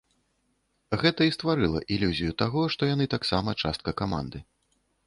Гэта і стварыла ілюзію таго, што яны таксама частка каманды.